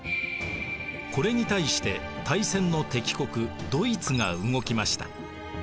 これに対して大戦の敵国ドイツが動きました。